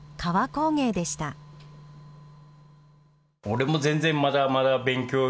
俺も全然まだまだ勉強。